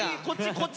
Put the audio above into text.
こっち